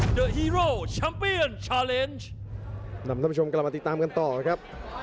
นำท่านผู้ชมกลับมาติดตามกันต่อครับ